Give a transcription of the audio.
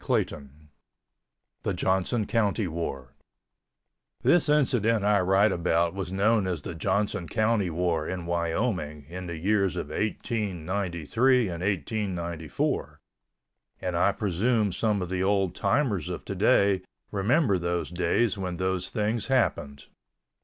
CHAPTER XV THE JOHNSON COUNTY WAR This incident I write about was known as the Johnson County War in Wyoming in the years of 1893 and 1894, and I presume some of the old timers of today remember those days when those things happened.